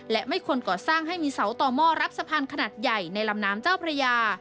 และไม่ควรก่อสร้างให้มีเสาต่อหม้อรับสะพานขนาดใหญ่ในลำน้ำเจ้าพระยา